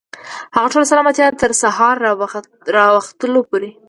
هغه ټوله سلامتيا ده، تر سهار راختلو پوري